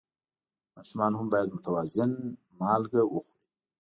ماشومان هم باید متوازن مالګه وخوري.